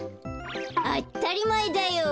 あったりまえだよ。